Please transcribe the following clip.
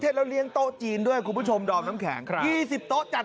ซึ่งผมขอยืนยันนะครับว่า